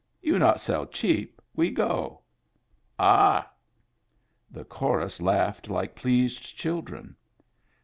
" You not sell cheap, we go." "Ah I" The chorus laughed like pleased children.